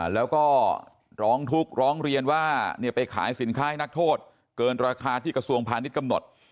แล้วก็ร้องทุกข์ร้องเรียนว่าไปขายสินค้าให้นักโทษเกินราคาที่กระทรวงพาณิชย์กำหนด